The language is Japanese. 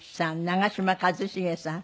長嶋一茂さん